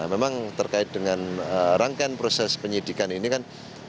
memang terkait dengan rangkaian proses penyidikan ini kan